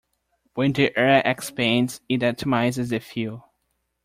When the air expands it atomizes the fuel.